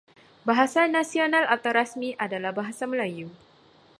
Bahasa nasional atau rasmi adalah Bahasa Melayu.